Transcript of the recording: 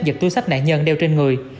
giật túi sách nạn nhân đeo trên người